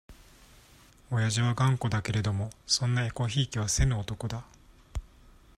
おやじは頑固だけれども、そんなえこひいきはせぬ男だ。